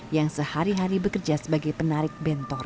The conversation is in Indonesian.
yang sehari hari bekerja sebagai penarik bentor